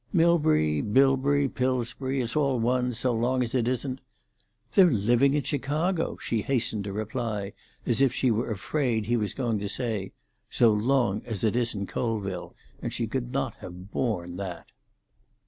"Milbury, Bilbury, Pilsbury—it's all one, so long as it isn't——" "They're living in Chicago!" she hastened to reply, as if she were afraid he was going to say, "so long as it isn't Colville," and she could not have borne that.